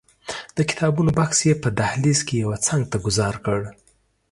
د کتابونو بکس یې په دهلیز کې یوه څنګ ته ګوزار کړ.